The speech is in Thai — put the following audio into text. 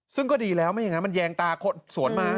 ซึ่งก็ดีแล้วไม่อย่างนั้นมันแยงตาคนสวนมา